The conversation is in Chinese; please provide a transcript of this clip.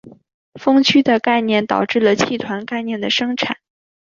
锋区的概念导致了气团概念的产生。